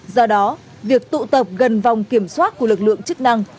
do đó việc tụ tập gần vòng kiểm soát của lực lượng chức năng